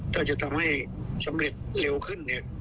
ถ้าจะทำให้สำเร็จเร็วขึ้นเนี่ย